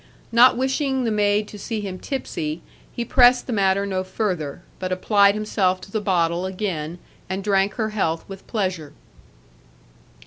Not wishing the maid to see him tipsy, he pressed the matter no further; but applied himself to the bottle again, and drank her health with pleasure.